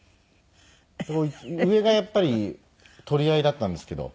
上がやっぱり取り合いだったんですけど。